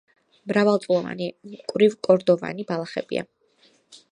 მრავალწლოვანი მკვრივკორდოვანი ბალახებია.